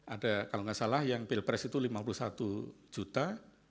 ada kalau nggak salah yang pilpres itu lima puluh satu juta